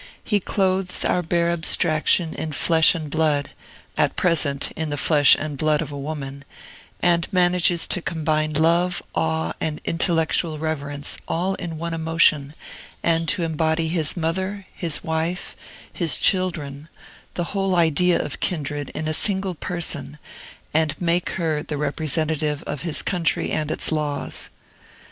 He clothes our bare abstraction in flesh and blood, at present, in the flesh and blood of a woman, and manages to combine love, awe, and intellectual reverence, all in one emotion, and to embody his mother, his wife, his children, the whole idea of kindred, in a single person, and make her the representative of his country and its laws.